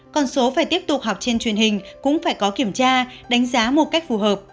con số phải tiếp tục học trên truyền hình cũng phải có kiểm tra đánh giá một cách phù hợp